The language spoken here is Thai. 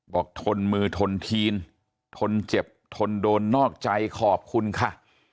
ทนมือทนทีนทนเจ็บทนโดนนอกใจขอบคุณค่ะ